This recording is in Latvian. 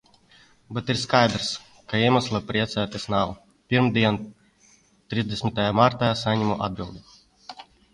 Bet ir skaidrs, ka iemesla priecāties nav. Pirmdien, trīsdesmitajā martā, saņemu atbildi.